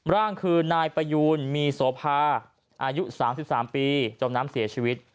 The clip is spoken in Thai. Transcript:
ร่างคือนายประยูนมีโสภาอายุ๓๓ปีจมน้ำเสียชีวิต